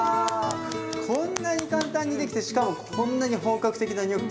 こんなに簡単にできてしかもこんなに本格的なニョッキ。